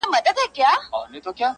پر یوه ګور به ژوند وي د پسونو، شرمښانو؛